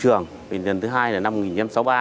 công trường lần thứ hai là năm